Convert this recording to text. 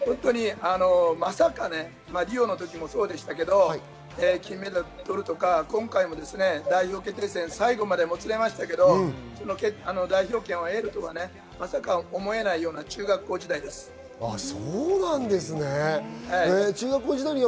まさかリオのときもそうでしたが、金メダルを取るとか、今回も代表決定戦、最後までもつれましたけれども代表権を得るとかまさか思えないような中学校時代です。